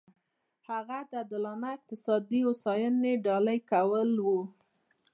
هغه د عادلانه اقتصادي هوساینې ډالۍ کول و.